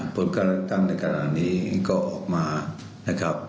ผลการเลือกตั้งในขณะนี้ก็ออกมานะครับ